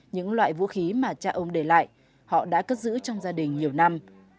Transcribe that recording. những loại vũ khí mà cha ông để lại họ đã cất giữ trong gia đình nhiều năm